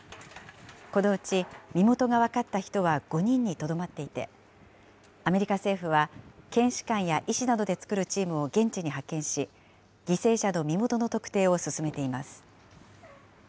このうち身元が分かった人は５人にとどまっていて、アメリカ政府は、検視官や医師などで作るチームを現地に派遣し、犠牲者の身元の特定を進めています。